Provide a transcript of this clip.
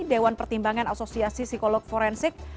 dewan pertimbangan asosiasi psikolog forensik